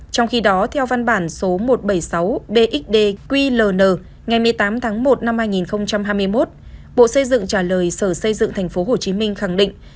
trong khi đó theo văn bản số một trăm bảy mươi sáu bxd ql ngày một mươi tám tháng một năm hai nghìn hai mươi một bộ xây dựng trả lời sở xây dựng tp hcm khẳng định